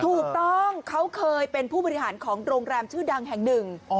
ถูกต้องเขาเคยเป็นผู้บริหารของโรงแรมชื่อดังแห่งหนึ่ง